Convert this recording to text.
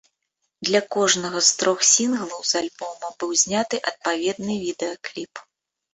Для кожнага з трох сінглаў з альбома быў зняты адпаведны відэа-кліп.